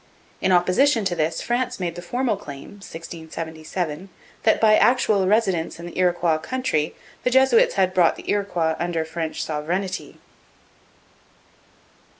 In opposition to this France made the formal claim (1677) that by actual residence in the Iroquois country the Jesuits had brought the Iroquois under French sovereignty.